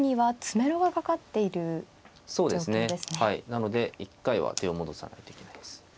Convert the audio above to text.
なので一回は手を戻さないといけないです。